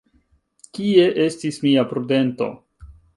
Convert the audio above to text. Kie estis mia prudento?